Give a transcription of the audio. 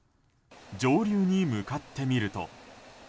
上流に向かってみると。